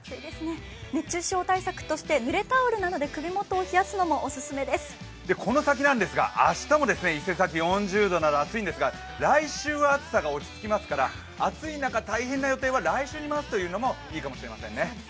熱中症対策として、ぬれタオルなどで首元を冷やすのもこの先、明日も伊勢崎は４０度と暑いんですが来週は暑さが落ち着きますから暑い中、大変な予定は来週に回すというのもいいかもしれませんね。